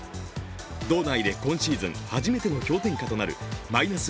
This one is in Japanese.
道内で今シーズン初めての氷点下となるマイナス